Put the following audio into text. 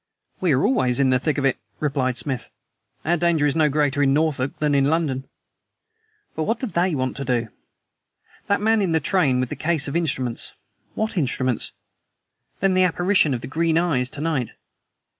"We are always in the thick of it," replied Smith. "Our danger is no greater in Norfolk than in London. But what do they want to do? That man in the train with the case of instruments WHAT instruments? Then the apparition of the green eyes to night.